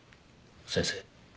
先生